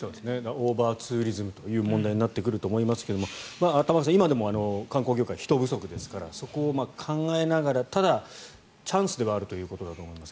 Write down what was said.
オーバーツーリズムという問題になってくると思いますが玉川さん、今でも観光業界人不足ですからそこを考えながらでもチャンスでもあるということだと思います。